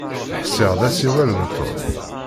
Ḥsiɣ d asiwel n Tom.